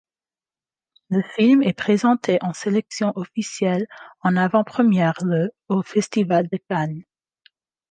Le film est présenté en sélection officielle en avant-première le au Festival de Cannes.